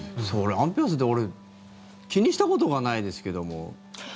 アンペア数って俺気にしたことがないですけども。